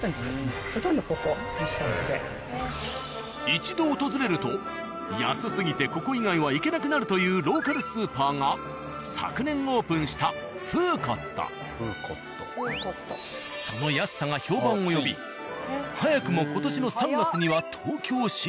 一度訪れると安すぎてここ以外は行けなくなるというローカルスーパーが昨年オープンしたその安さが評判を呼び早くも今年の３月には東京進出。